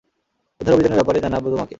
উদ্ধার অভিযানের ব্যাপারে জানাবো তোমাকে।